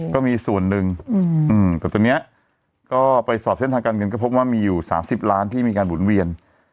ก็มีส่วนหนึ่งแต่ตอนนี้ก็ไปสอบเส้นทางการเงินก็พบว่ามีอยู่๓๐ล้านที่มีการหมุนเวียน